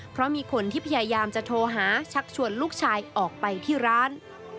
เพราะมีคนที่พยายามจะโทรหาชักชวนลูกชายออกไปที่ร้าน